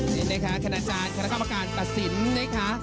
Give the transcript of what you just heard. นี่นะคะคณาจารย์คณะความประการประสิทธิ์นะคะ